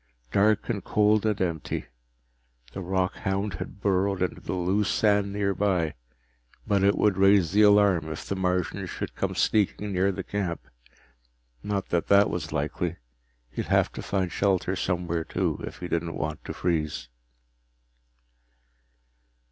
Dark and cold and empty. The rockhound had burrowed into the loose sand nearby, but it would raise the alarm if the Martian should come sneaking near the camp. Not that that was likely he'd have to find shelter somewhere too, if he didn't want to freeze.